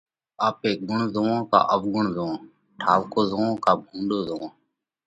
آپي ڳُڻ زوئونه ڪا اوَڳڻ زوئونه۔ ٺائُوڪو زوئونه ڪا ڀُونڏو زوئونه۔